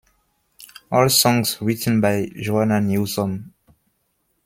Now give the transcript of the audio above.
All songs written by Joanna Newsom.